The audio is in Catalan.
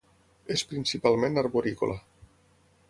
És principalment arborícola.